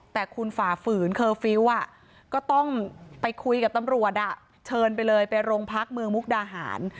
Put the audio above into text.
แต่คุณฝ่าฝืนเคอร์ฟิลล์ก็ต้องไปคุยกับตำรวจเชิญไปเลยไปโรงพักเมืองมุกดาหาร